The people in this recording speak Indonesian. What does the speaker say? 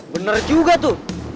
bener juga tuh